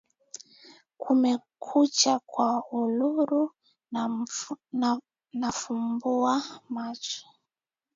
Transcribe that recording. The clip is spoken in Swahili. Kumekucha kwa Uluru nafumbua macho